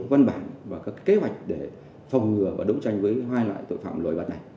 văn bản và các kế hoạch để phòng ngừa và đấu tranh với hai loại tội phạm nổi bạc này